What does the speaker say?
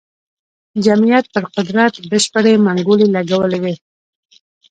جمعیت پر قدرت بشپړې منګولې لګولې وې.